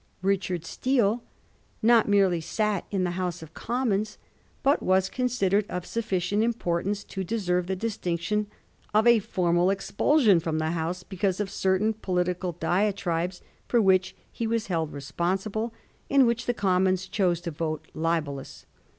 Richard Steele not merely sat in the House of Commons, but was considered of suffi cient importance to deserve the distinction of a formal expulsion from the House because of certain political diatribes for which he was held respon sible and which the Commons chose to vote libellous.